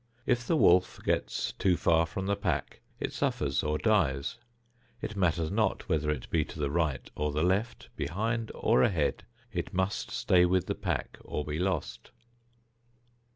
If the wolf gets too far from the pack it suffers or dies; it matters not whether it be to the right or the left, behind or ahead, it must stay with the pack or be lost.